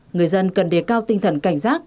người dân cần đề cao tinh thần cảnh giác